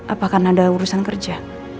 apakah ada urusan kerja